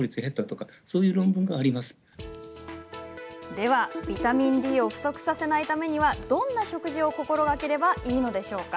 では、ビタミンＤを不足させないためにはどんな食事を心がければいいのでしょうか。